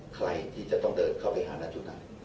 ใครที่จะต้องเดินเข้าไปหาณจุดนั้น